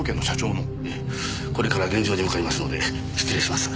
これから現場に向かいますので失礼します。